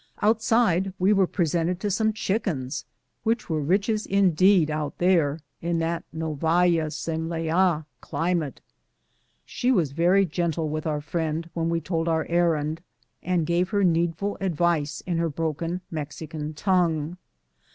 Outside we were presented DOMESTIC TRULS. 201 to some chickens, wliicli were riches indeed out there in that Nova Zemblian climate. She was very gentle with our friend when we told our errand, and gave her needful advice in her broken Mexican tongue.